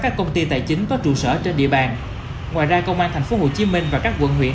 các công ty tài chính có trụ sở trên địa bàn ngoài ra công an tp hcm và các quận huyện